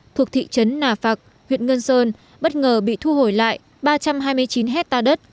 thuộc thị trấn nà phạc huyện ngân sơn bất ngờ bị thu hồi lại ba trăm hai mươi chín hectare đất